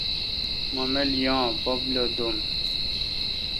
مہ مل یان، بب لو دو°م۔